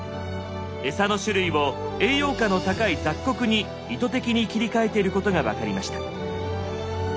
餌の種類を栄養価の高い「雑穀」に意図的に切り替えてることが分かりました。